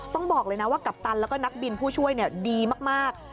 บอกเลยนะว่ากัปตันแล้วก็นักบินผู้ช่วยดีมาก